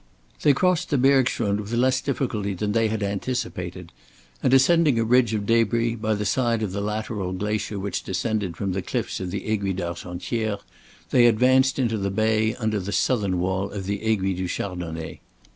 They crossed the bergschrund with less difficulty than they had anticipated, and ascending a ridge of debris, by the side of the lateral glacier which descended from the cliffs of the Aiguille d'Argentière, they advanced into the bay under the southern wall of the Aiguille du Chardonnet.